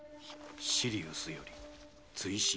「シリウスより追伸」